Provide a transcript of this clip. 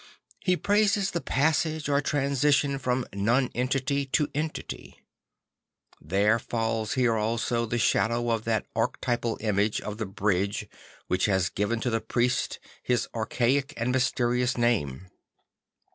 He praises the passage or transition from nonentity to entity; there falls here also the shadow of that archetypal image of the bridge, which has given to the priest his archaic and mysterious name.